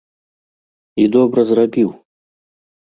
- I добра зрабiў!